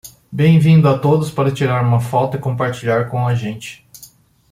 Bem-vindo a todos para tirar uma foto e compartilhar com a gente!